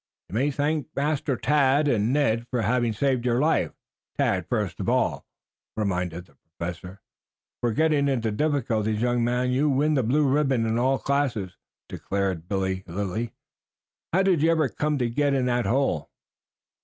"You may thank Master Tad and Ned for having saved your life, Tad first of all," reminded the Professor. "For getting into difficulties, young man, you win the blue ribbon in all classes," declared Billy Lilly. "How did you ever come to get in that hole?"